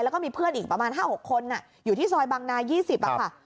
แล้วก็มีเพื่อนอีกประมาณ๕๖คนอยู่ที่ซอยบางนา๒๐ค่ะ